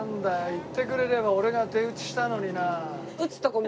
言ってくれれば俺が手打ちしたのにな。